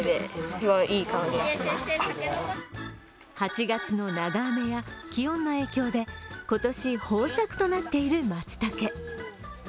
８月の長雨や気温の影響で今年豊作となっているまつたけ。